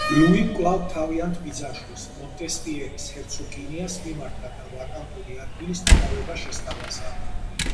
ლუიმ კვლავ თავიანთ ბიძაშვილს, მონტესპიერის ჰერცოგინიას მიმართა და ვაკანტური ადგილის დაკავება შესთავაზა.